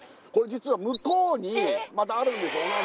これ実は向こうにまたあるんですよ